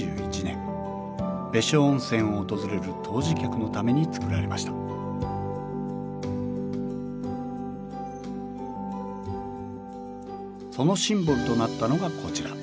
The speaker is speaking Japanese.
別所温泉を訪れる湯治客のために造られましたそのシンボルとなったのがこちら。